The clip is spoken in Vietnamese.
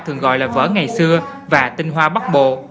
thường gọi là vỡ ngày xưa và tinh hoa bắt bộ